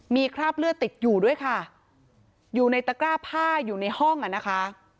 มีคราบเลือดติดอยู่ด้วยค่ะอยู่ในตะกร้าผ้าอยู่ในห้องอ่ะนะคะ